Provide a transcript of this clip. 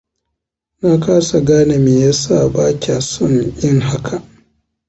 Na kasa gane me yasa ba kya son yin haka.